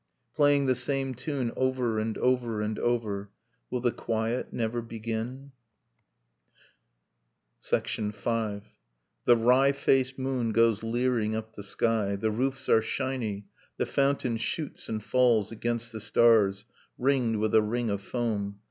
Playing the same tune over and over and over. .. Will the quiet never begin ?... V. The wry faced moon goes leering up the sky. The roofs are shiny, the fountain shoots and falls Against the stars, ringed with a ring of foam.